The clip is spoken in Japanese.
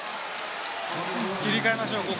切り替えましょう。